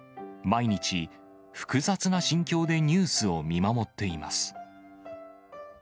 毎日、複雑な心境でニュースを見守っています。